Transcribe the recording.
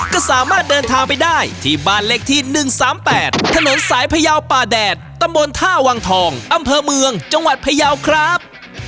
ก็สามารถเดินทางไปได้ที่บ้านเลขที่๑๓๘ถนนสายพยาวป่าแดดตำบลท่าวังทองอำเภอเมืองจังหวัดพยาวครับ